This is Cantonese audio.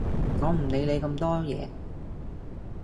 我唔理你咁多嘢